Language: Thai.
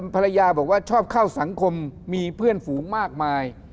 ภรรยาบอกว่าชอบเข้าสังคมมีเพื่อนฝูงมากมาย